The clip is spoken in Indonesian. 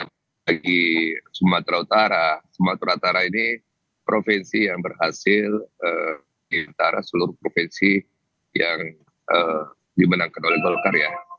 bagi sumatera utara sumatera utara ini provinsi yang berhasil di utara seluruh provinsi yang dimenangkan oleh golkar ya